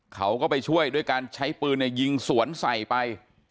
เขาก็ไปช่วยด้วยการใช้ปืนยิงสวนใส่ไป